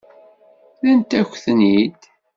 Rrant-ak-ten-id.